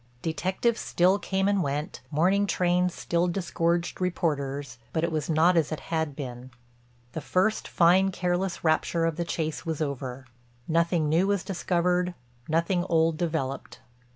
Detectives still came and went, morning trains still disgorged reporters, but it was not as it had been. The first, fine careless rapture of the chase was over; nothing new was discovered, nothing old developed.